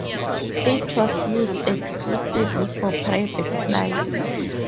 It was used exclusively for private flights.